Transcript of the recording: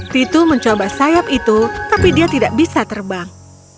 titu mencoba sayap itu tapi dia tidak bisa terbang